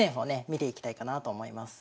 見ていきたいかなと思います